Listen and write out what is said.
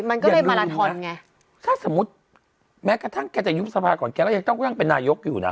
อย่าลืมไงถ้าสมมติแม้กระทั่งแกจะยุ่มสภาพก่อนแกแล้วยังต้องเป็นนายกอยู่นะ